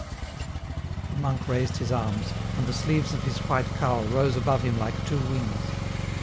The monk raised his arms, and the sleeves of his white cowl rose above him like two wings.